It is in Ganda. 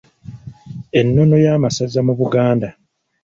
Ennono y'amasaza mu Buganda.